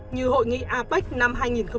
như hội nghị apec năm hai nghìn sáu